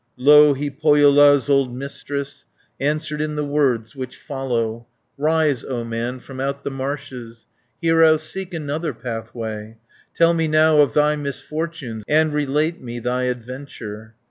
Louhi, Pohjola's old Mistress, Answered in the words which follow: 220 "Rise, O man, from out the marshes, Hero, seek another pathway. Tell me now of thy misfortunes, And relate me thy adventure."